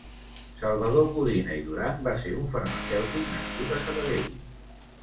Salvador Codina i Duran va ser un farmacèutic nascut a Sabadell.